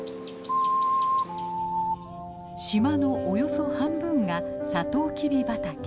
島のおよそ半分がサトウキビ畑。